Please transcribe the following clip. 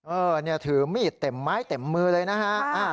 เออเนี่ยถือมีดเต็มไม้เต็มมือเลยนะฮะ